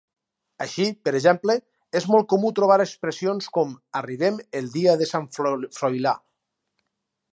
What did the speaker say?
Així, per exemple, és molt comú trobar expressions com: arribem el dia de sant Froilà.